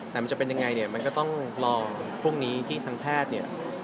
แต่มันจะเป็นยังไงเนี่ยมันก็ต้องรอพรุ่งนี้ที่ทางแพทย์เนี่ย